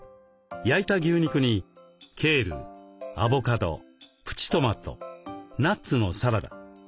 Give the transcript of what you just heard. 焼いた牛肉にケールアボカドプチトマトナッツのサラダ。